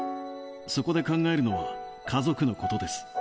そこで考えるのは家族のことです。